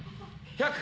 １００！